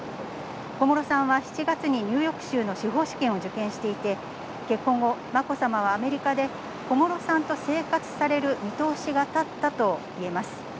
小室さんは７月にニューヨーク州の司法試験を受験していて、結婚後、まこさまはアメリカで小室さんと生活される見通しがたったといえます。